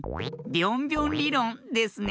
ビョンビョンりろんですね。